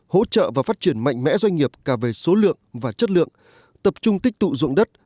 hỗ trợ và phát triển mạnh mẽ doanh nghiệp cả về số lượng và chất lượng tập trung tích tụ dụng đất